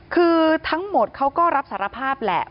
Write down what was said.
คือทั้งหมดเขาก็รับสารภาพแหละ